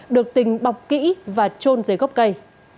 được tình bọc kỹ và trôn dưới gốc cây